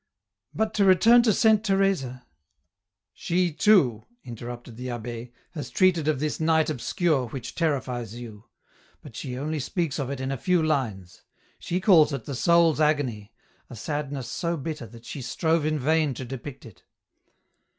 ," but to return to Saint Teresa, ..." 74 EN ROUTE. " She too," interrupted the abbd, " has treated ot this * Night obscure ' which terrifies you ; but she only speaks of it in a few lines. She calls it the soul's agony — a sadness so bitter that she strove in vain to depict it."